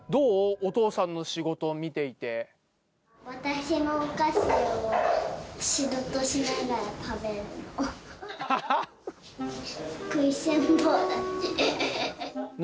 お父さんの仕事を見て私のお菓子を仕事しながら食べるの。